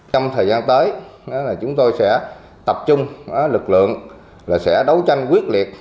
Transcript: trong thời gian tới chúng tôi sẽ tập trung lực lượng là sẽ đấu tranh quyết liệt